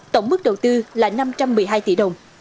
tổng mức đầu tư là năm trăm một mươi hai tỷ đồng